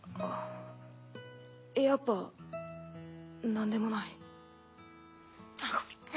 やっぱなんでもない。